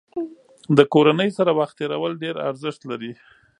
د کورنۍ سره وخت تېرول ډېر ارزښت لري.